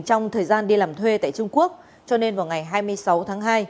trong thời gian đi làm thuê tại trung quốc cho nên vào ngày hai mươi sáu tháng hai